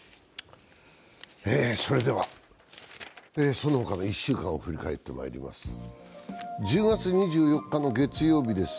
それでは、その他の１週間を振り返ってまいります。